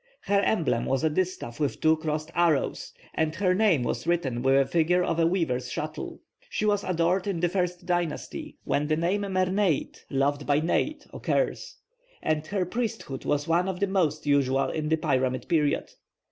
Her emblem was a distaff with two crossed arrows, and her name was written with a figure of a weaver's shuttle. She was adored in the first dynasty, when the name Merneit, 'loved by Neit,' occurs; and her priesthood was one of the most usual in the pyramid period.